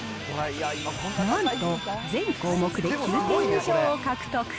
なんと全項目で９点以上を獲得。